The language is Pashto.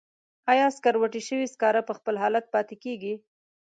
آیا سکروټې شوي سکاره په خپل حالت پاتې کیږي؟